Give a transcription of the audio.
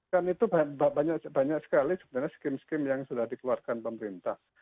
kan itu banyak sekali sebenarnya skim skim yang sudah dikeluarkan pemerintah